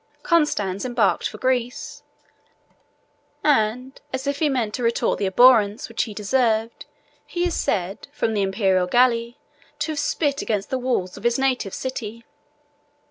Constans embarked for Greece and, as if he meant to retort the abhorrence which he deserved he is said, from the Imperial galley, to have spit against the walls of his native city.